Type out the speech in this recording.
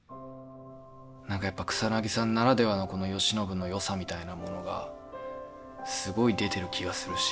何かやっぱ草さんならではのこの慶喜のよさみたいなものがすごい出てる気がするし。